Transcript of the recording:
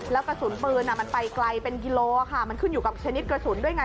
แล้วกระสุนปืนมันไปไกลเป็นกิโลค่ะมันขึ้นอยู่กับชนิดกระสุนด้วยไง